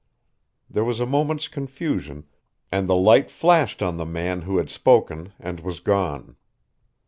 There was a moment's confusion, and the light flashed on the man who had spoken and was gone.